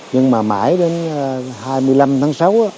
nhưng mà mãi đến hai mươi năm tháng sáu